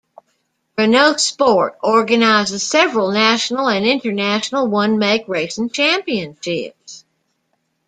Renault Sport organises several national and international one-make racing championships.